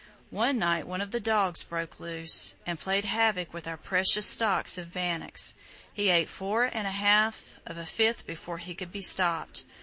One night one of the dogs broke loose and played havoc with our precious stock of bannocks. He ate four and half of a fifth before he could be stopped.